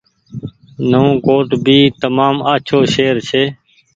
نئون ڪوٽ ڀي تمآم آڇو شهر ڇي۔